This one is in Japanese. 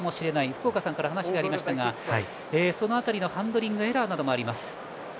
福岡さんから話がありましたがその辺りのハンドリングエラーなどもあります。